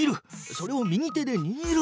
それを右手でにぎる。